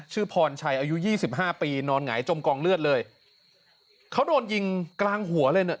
พรชัยอายุยี่สิบห้าปีนอนหงายจมกองเลือดเลยเขาโดนยิงกลางหัวเลยเนี่ย